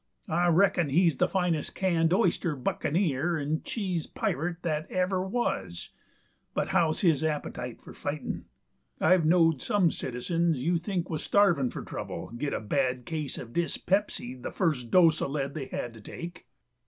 I reckon he's the finest canned oyster buccaneer and cheese pirate that ever was, but how's his appetite for fightin'? I've knowed some citizens you'd think was starvin' for trouble get a bad case of dyspepsy the first dose of lead they had to take."